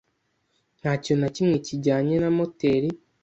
Nta kintu na kimwe kijyanye na moteri.